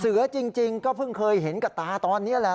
จริงก็เพิ่งเคยเห็นกับตาตอนนี้แหละ